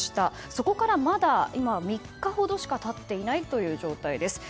そこからまだ今、３日ほどしか経っていない状態です。